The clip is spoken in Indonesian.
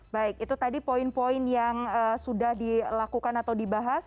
baik itu tadi poin poin yang sudah dilakukan atau dibahas